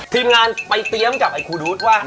ทีมงานไปเตรียมกับไอ้ครูดูดว่า